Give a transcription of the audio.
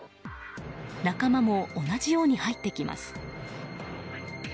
仲間も同じように入ってきます。